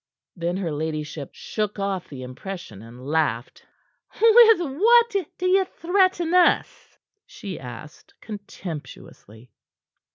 Then her ladyship shook off the impression, and laughed. "With what d'ye threaten us?" she asked contemptuously.